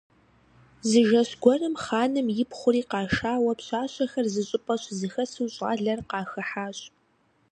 Зы жэщ гуэрым хъаным ипхъури къашауэ пщащэхэр зыщӀыпӀэ щызэхэсу щӀалэр къахыхьащ.